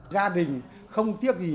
gia đình không tiếc gì